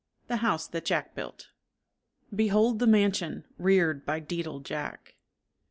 THE HOUSE THAT JACK BUILT Behold the mansion reared by dedal Jack.